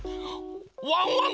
ワンワン